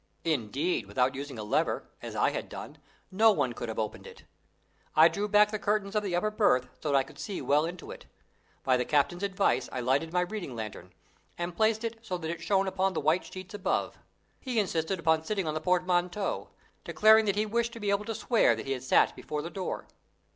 Indeed, without using a lever, as I had done, no one could have opened it. I drew back the curtains of the upper berth so that I could see well into it. By the captain's advice I lighted my reading lantern, and placed it so that it shone upon the white sheets above. He insisted upon sitting on the portmanteau, declaring that he wished to be able to swear that he had sat before the door.